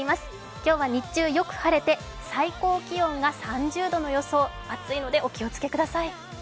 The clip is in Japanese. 今日は日中、よく晴れて最高気温が３０度の予想、暑いのでお気をつけください。